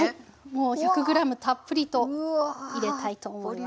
もう１００ｇたっぷりと入れたいと思います。